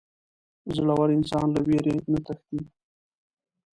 • زړور انسان له وېرې نه تښتي.